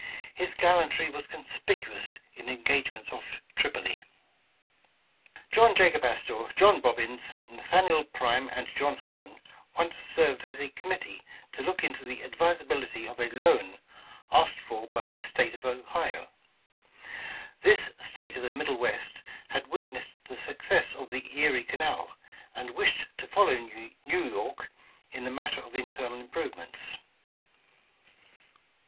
His gallantry was conspicuous in engagements off Tripoli. John Jacob Astor, John Bobbins, Nathaniel Prime, and John Hone, once served as a committee to look into the advisability of a loan asked for by the State of Ohio. This State of the middle west, had witnessed the success of the Erie Canal, and wished to follow New York in the matter of internal improvements.